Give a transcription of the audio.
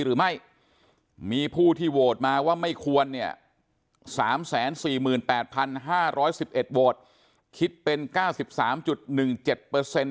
หรือไม่มีผู้ที่โหวตมาว่าไม่ควรเนี่ย๓๔๘๕๑๑โหวตคิดเป็น